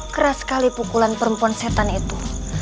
keras sekali pukulan perempuan setan itu